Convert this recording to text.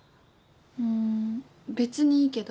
んー別にいいけど。